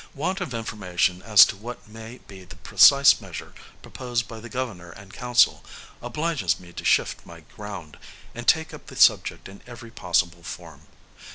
Want of information as to what may be the precise measure proposed by the Governor and Council, obliges me to shift my ground, and take up the subject in every possible form.